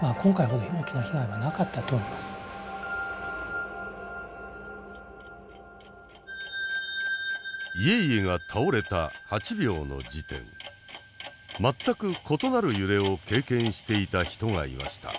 全く異なる揺れを経験していた人がいました。